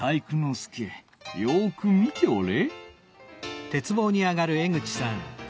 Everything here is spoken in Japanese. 介よく見ておれ。